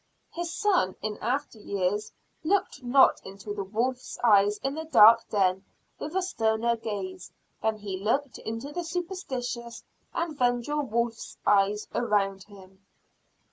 His son in after years, looked not into the wolf's eyes in the dark den with a sterner gaze, than he looked into the superstitious and vengeful wolves' eyes around him.